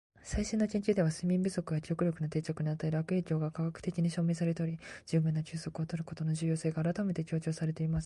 「最新の研究では、睡眠不足が記憶力の定着に与える悪影響が科学的に証明されており、十分な休息を取ることの重要性が改めて強調されています。」